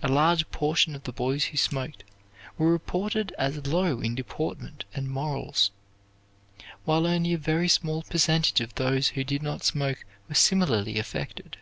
A large portion of the boys who smoked were reported as low in deportment and morals, while only a very small percentage of those who did not smoke were similarly affected.